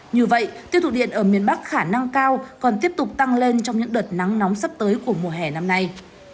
như vậy tiêu thụ điện ở miền bắc khả năng cao còn tiếp tục tăng lên trong những đợt nắng nóng sắp tới của mùa hè năm nay